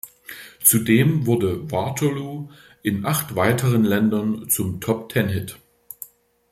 Zudem wurde "Waterloo" in acht weiteren Ländern zum Top-Ten-Hit.